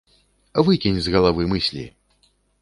Выкінь з галавы мыслі!